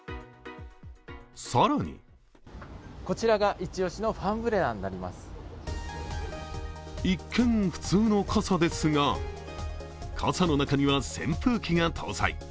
更に一見、普通の傘ですが、傘の中には扇風機が搭載。